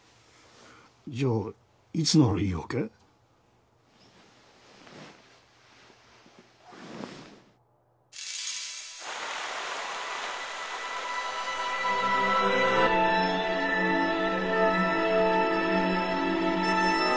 じゃあいつならいいわけ？ん？